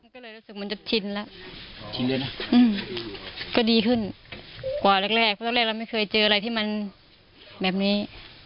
ก็เลยรู้สึกมันจะชินแล้วก็ดีขึ้นกว่าแรกว่าที่เปิดก่อนไม่เคยเจออะไรแบบนี้